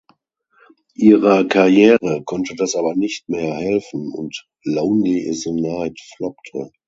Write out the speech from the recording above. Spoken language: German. Ihrer Karriere konnte das aber nicht mehr helfen und "Lonely Is the Night" floppte.